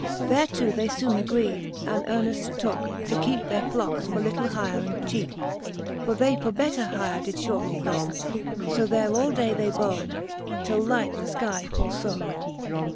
Thereto they foone agreed, and earnefl: tooke, To keepe their flockes for litle hyre and chepe : For they for better hyre did fhortly looke ; So there all day they bode, till light the fky forfooke.